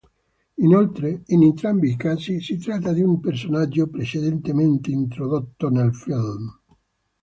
Inoltre, in entrambi i casi, si tratta di un personaggio precedentemente introdotto nel film.